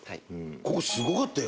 ここすごかったよ